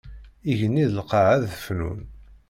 Igenni d lqaɛa ad fnun.